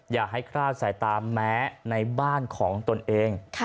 อย่าให้คลาดสายตาแม้ในบ้านของตนเอง